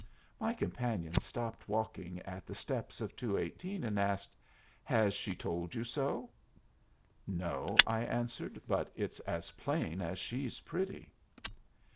My companion stopped walking at the steps of 218, and asked, "Has she told you so?" "No," I answered. "But it's as plain as she's pretty."